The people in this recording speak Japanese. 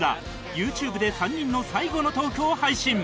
ＹｏｕＴｕｂｅ で３人の最後のトークを配信